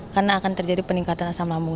karena akan terjadi peningkatan asam lambung